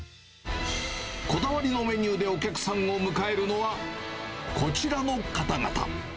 こだわりのメニューでお客さんを迎えるのは、こちらの方々。